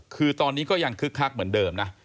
คือตอนนี้ก็ยังคึกคักเหมือนเดิมนะ